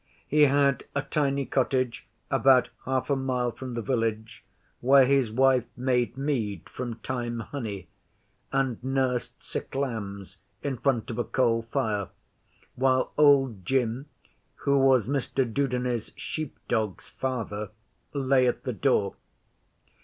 He had a tiny cottage about half a mile from the village, where his wife made mead from thyme honey, and nursed sick lambs in front of a coal fire, while Old Jim, who was Mr Dudeney's sheep dog's father, lay at the door.